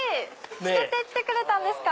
着けてきてくれたんですか！